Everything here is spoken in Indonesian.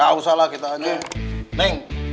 gak usah lah kita aja